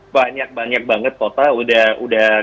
banyak banyak banget kota sudah gagal mengganti mobil listrik